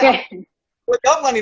boleh jawab gak nih